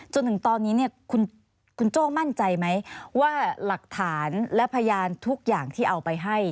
จนถึงตอนนี้เนี่ยคุณโจ้มั่นใจไหมว่าหลักฐานและพยานทุกอย่างที่เอาไปให้